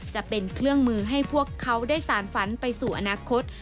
จะเป็นเครื่องมือให้พวกเขาได้สารฝันไปสู่อนาคต